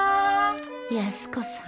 安子さん。